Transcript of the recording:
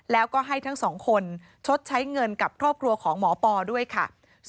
แล้วก็ให้ทั้งสองคนชดใช้เงินกับครอบครัวของหมอปอด้วยค่ะ